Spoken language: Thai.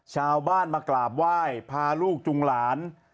ชาวบ้านมากราบไหว้พาลูกจุงหลาน